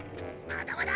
まだまだ！